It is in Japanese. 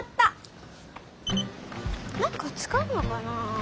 なんか使うのかな？